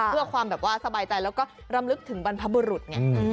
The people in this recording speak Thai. เพื่อความสบายใจแล้วก็รำลึกถึงบรรพบุรุษ